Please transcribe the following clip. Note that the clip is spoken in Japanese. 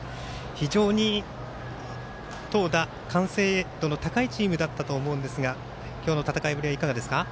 非常に投打、完成度の高いチームだったと思いますが今日の戦いぶりはいかがですか？